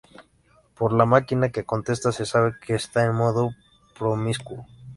Por la máquina que contesta, se sabe que está en modo promiscuo.